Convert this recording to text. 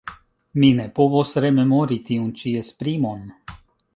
Mi ne povos rememori tiun ĉi esprimon.